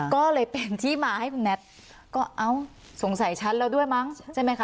ก็เลยเป็นที่มาให้คุณแน็ตก็เอ้าสงสัยฉันแล้วด้วยมั้งใช่ไหมคะ